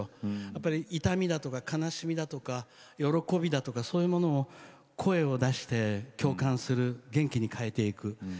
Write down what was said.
やっぱり痛みだとか悲しみだとか喜びだとかそういうものを声を出して共感する元気に変えていく。